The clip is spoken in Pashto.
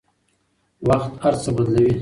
وخت هر څه بدلوي